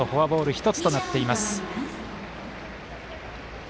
１つとなっています。